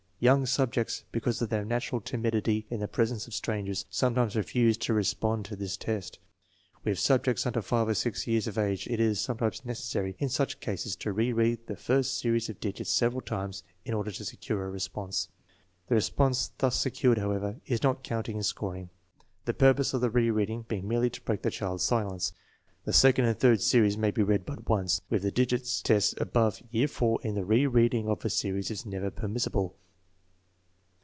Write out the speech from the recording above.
Young subjects, because of their natural timidity in the presence of strangers, sometimes refuse to respond to this test. With subjects under 5 or 6 years of age it is sometimes necessary in such cases to re read the first series of digits several times in order to secure a response. The response thus secured, however, is not counted in scoring, the pur pose of the re reading being merely to break the child's silence. The second and third series may be read but once. With the digits tests above year IV the re reading of a series is never permissible.